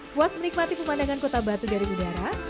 buas menikmati pemandangan kota batu dari budarang